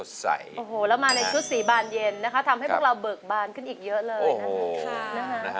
ทำให้พวกเราเบิกบานขึ้นอีกเยอะเลยนะ